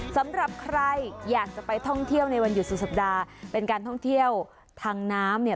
สำหรับใครอยากจะไปท่องเที่ยวในวันหยุดสุดสัปดาห์เป็นการท่องเที่ยวทางน้ำเนี่ย